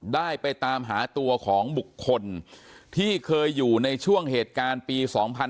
ได้ไปตามหาตัวของบุคคลที่เคยอยู่ในช่วงเหตุการณ์ปี๒๕๕๙